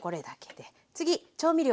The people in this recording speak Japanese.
で調味料。